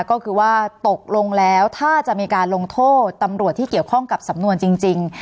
ก็คือว่าตกลงแล้วถ้าจะมีการลงโทษตำรวจที่เกี่ยวข้องกับสำนวนจริง